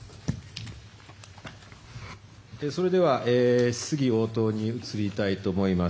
それでは質疑応答に移りたいと思います。